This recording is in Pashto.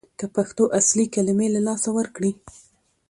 که پښتو اصلي کلمې له لاسه ورکړي